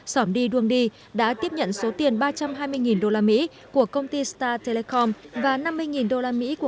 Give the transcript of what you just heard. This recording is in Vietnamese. sòm đi đương đi đã tiếp nhận số tiền ba trăm hai mươi usd của công ty star telecom và năm mươi usd của